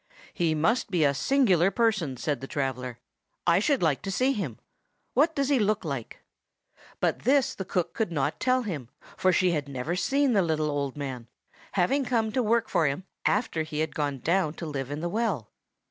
"He must be a singular person," said the traveller. "I should like to see him. What does he look like?" But this the cook could not tell him; for she had never seen the little old man, having come to work for him after he had gone down to live in the well.